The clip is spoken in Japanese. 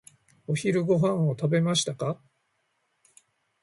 お昼ご飯を食べましたか？